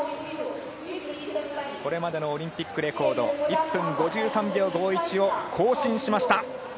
これまでのオリンピックレコード１分５３秒５１を更新しました。